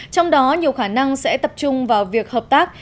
trong đó nhiều khả năng sẽ tập trung vào việc hợp tác